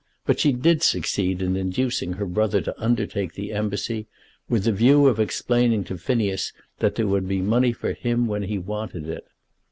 But she did succeed in inducing her brother to undertake the embassy, with the view of explaining to Phineas that there would be money for him when he wanted it.